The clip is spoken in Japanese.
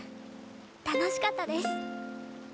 楽しかったです。